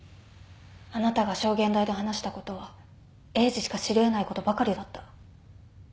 あなたが証言台で話したことはエイジしか知り得ないことばかりだった。